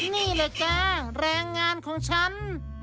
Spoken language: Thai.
นี่แหละแกแรงงานของฉัน